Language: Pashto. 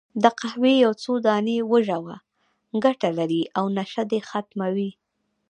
د قهوې یو څو دانې وژووه، ګټه لري، او نشه دې ختمه وي.